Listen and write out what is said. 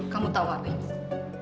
kamu tahu apa ini